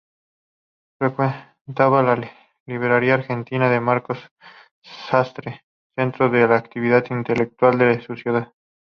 Frecuentaba la "Librería Argentina" de Marcos Sastre, centro de actividad intelectual de su ciudad.